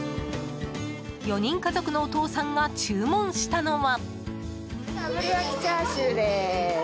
４人家族のお父さんが注文したのは。